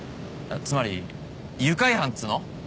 つまり愉快犯っつうの？